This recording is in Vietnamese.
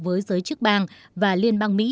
với giới chức bang và liên bang mỹ